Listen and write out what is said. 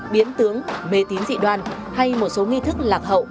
biến tướng mê tín dị đoan hay một số nghi thức lạc hậu